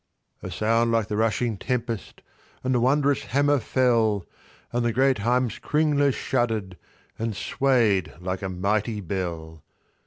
A sound like the rushing tempest, and the won drous hammer fell, And the great Heimskringla shuddered, and swayed like a mighty bell.